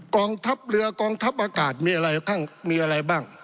กองทัพเรือกองทัพอากาศมีอะไรมีอะไรบ้าง